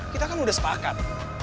kita kan udah sepakat